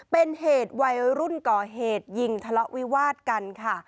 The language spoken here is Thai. เป็นเหตุวัยรุ่นก่อเหตุยิงทะเลาะวิวาดกันค่ะ